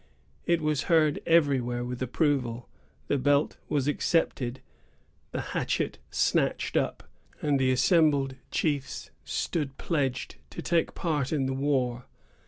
It was heard everywhere with approval; the belt was accepted, the hatchet snatched up, and the assembled chiefs stood pledged to take part in the war.